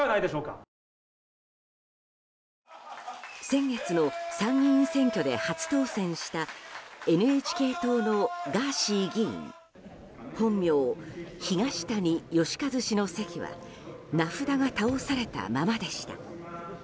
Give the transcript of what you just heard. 先月の参議院選挙で初当選したＮＨＫ党のガーシー議員本名、東谷義和氏の席は名札が倒されたままでした。